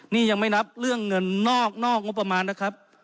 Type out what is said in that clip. นี่ยังไม่นับเรื่องเงินนอกงบประมาณนะครับ